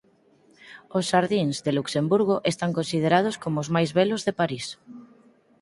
Os Xardíns de Luxemburgo están considerados como os máis belos de París.